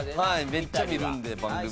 めっちゃ見るんで番組とかで。